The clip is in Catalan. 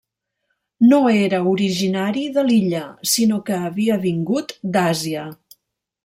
No era originari de l'illa, sinó que havia vingut d'Àsia.